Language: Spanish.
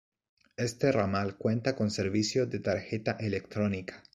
Este ramal cuenta con servicio de tarjeta electrónica.